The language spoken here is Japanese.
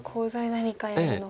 何かやるのかと。